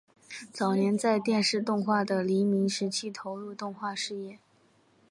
早年在电视动画的黎明时期投入动画业界。